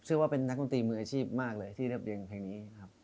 ว่าเป็นนักดนตรีมืออาชีพมากเลยที่เรียบเรียงเพลงนี้ครับ